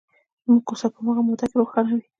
زموږ کوڅه په هماغې موده کې روښانه وي.